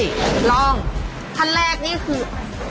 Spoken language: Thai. ลองท่านแรกนี่คือ